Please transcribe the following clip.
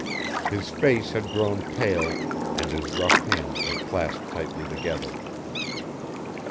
His face had grown pale and his rough hands were clasped tightly together.